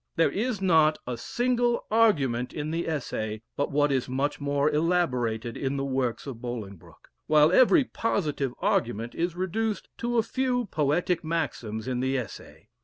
There is not a single argument in the Essay but what is much more elaborated in the works of Bolingbroke, while every positive argument is reduced to a few poetic maxims in the Essay.